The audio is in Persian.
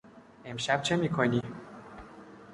امشب چه می کنی؟